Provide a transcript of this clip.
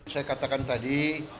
saya katakan tadi